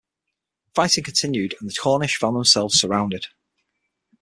Fighting continued and the Cornish found themselves surrounded.